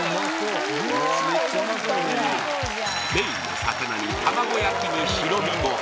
メインの魚にたまご焼きに白身ご飯